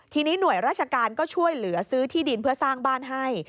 ทีนี้หน่วยราชการก็ช่วยเหลือซื้อที่ดินเพื่อสร้างบ้านให้